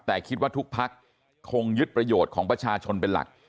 แต่คิดว่าทุกพักคงยึดประโยชน์ของประชาชนเป็นหลัก